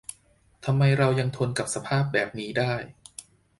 ทำไมเรายังทนกับสภาพแบบนี้ได้ ?